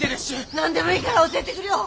何でもいいから教えてくりょう！